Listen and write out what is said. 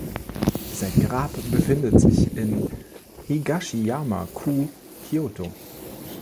Sein Grab befindet sich in Higashiyama-ku, Kyoto.